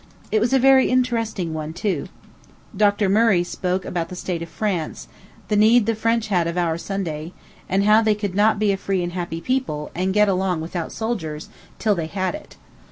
It was a very interesting one, too. Dr. Murray spoke about the state of France, the need the French had of our Sunday, and how they could not be a free and happy people, and get along without soldiers, till they had it.